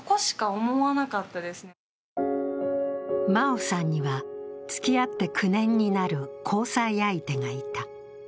茉緒さんには付き合って９年になる交際相手がいた。